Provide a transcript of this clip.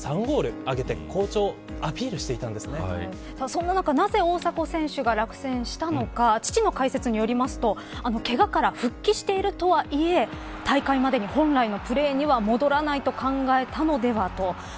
そんな中、なぜ大迫選手が落選したのか父の解説によりますとけがから復帰しているとはいえ大会までに本来のプレーには戻らないと考えたのではと。